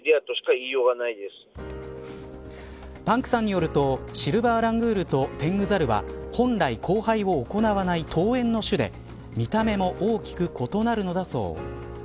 パンクさんによるとシルバーラングールとテングザルは本来交配を行わない遠縁の種で見た目も大きく異なるのだそう。